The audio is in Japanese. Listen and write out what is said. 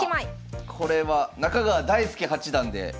これは中川大輔八段で。